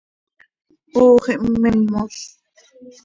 Ox ihmmimoz.